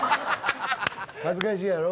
恥ずかしいやろ？